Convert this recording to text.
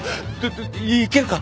行けるか？